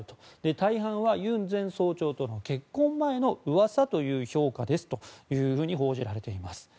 大半はユン前総長との結婚前の噂という評価ですと報じられています。